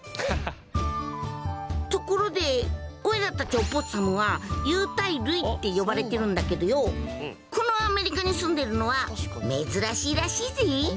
ところでおいらたちオポッサムは有袋類って呼ばれてるんだけどよこのアメリカに住んでるのは珍しいらしいぜ。